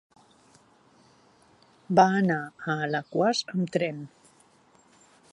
Va anar a Alaquàs amb tren.